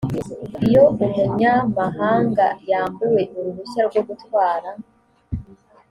iyo umunyamahanga yambuwe uruhushya rwo gutwara